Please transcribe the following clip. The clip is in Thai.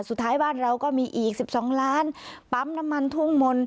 สุดท้ายบ้านเราก็มีอีกสิบสองล้านปั้มน้ำมันทูมมล